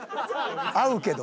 合うけど。